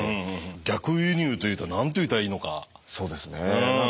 逆輸入という何と言うたらいいのか。